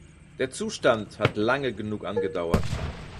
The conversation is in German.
Der Zustand hat lange genug angedauert.